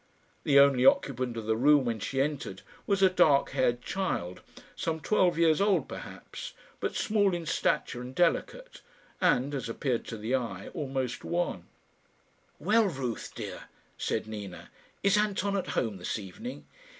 The only occupant of the room when she entered was a dark haired child, some twelve years old perhaps, but small in stature and delicate, and, as appeared to the eye, almost wan. "Well, Ruth dear," said Nina, "is Anton at home this evening?"